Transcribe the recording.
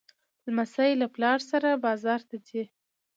لمسی له پلار سره بازار ته ځي.